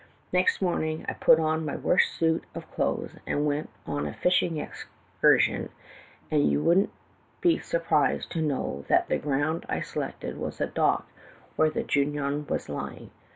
"Next morning I put on my worst suit of clothes and went on a fishing excursion, and you won't be surprised to know that the ground I selected was the dock where the Junon was lying.